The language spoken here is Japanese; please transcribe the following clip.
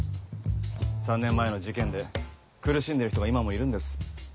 ３年前の事件で苦しんでる人が今もいるんです。